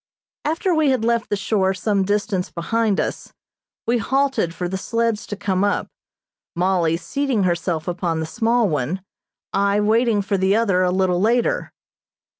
After we had left the shore some distance behind us we halted for the sleds to come up, Mollie seating herself upon the small one, I waiting for the other a little later.